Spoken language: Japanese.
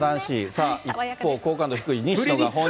さあ、一方、好感度低い西野が本を。